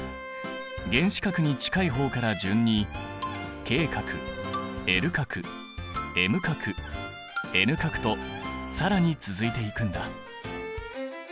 原子核に近い方から順にＫ殻Ｌ殻Ｍ殻Ｎ殻と更に続いていくんだ。